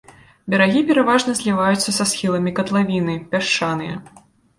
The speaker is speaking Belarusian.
Берагі пераважна зліваюцца са схіламі катлавіны, пясчаныя.